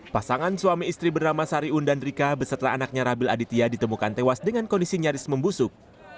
pasangan suami istri bernama sariun dan rika beserta anaknya rabil aditya ditemukan tewas dengan kondisi nyaris membusuk